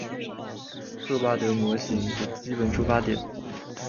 赫巴德模型的基本出发点。